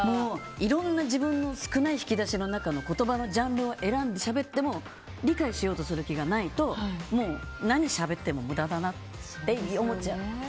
いろんな自分の少ない引き出しの中の言葉のジャンルを選んでしゃべっても理解しようとする気がないともう何しゃべっても無駄だなって思っちゃう。